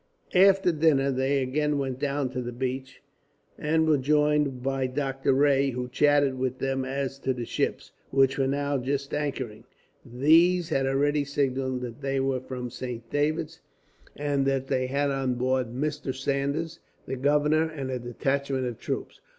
After dinner they again went down to the beach, and were joined by Doctor Rae, who chatted with them as to the ships, which were now just anchoring. These had already signalled that they were from Saint David's, and that they had on board Mr. Saunders, the governor, and a detachment of troops.